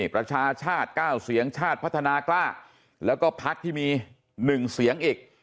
ประชาชาติ๙เสียงชาติพัฒนากล้าแล้วก็พักที่มี๑เสียงอีก